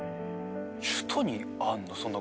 首都にあるの？